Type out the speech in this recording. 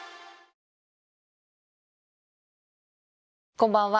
こんばんは。